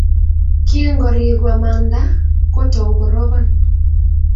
kingoriku amangda, kotou korobon